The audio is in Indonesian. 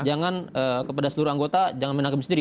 jangan kepada seluruh anggota jangan main hakim sendiri